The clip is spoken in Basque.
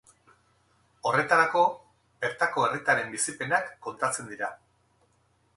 Horretarako, bertako herritarren bizipenak kontatzen dira.